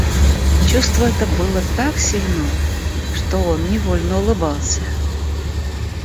Чувство это было так сильно, что он невольно улыбался.